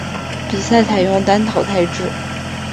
比赛采用单淘汰制。